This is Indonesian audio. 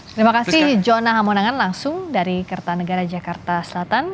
terima kasih jona hamonangan langsung dari kertanegara jakarta selatan